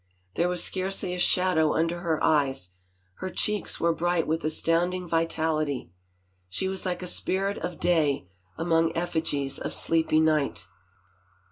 There was scarcely a shadow under her eyes, her cheeks were bright with astounding vitality. She was like a spirit of day among effigies of sleepy night.